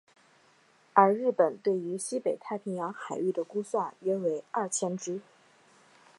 而日本对于西北太平洋海域的估算约为二千只。